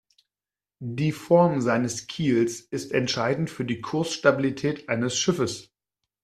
Die Form seines Kiels ist entscheidend für die Kursstabilität eines Schiffes.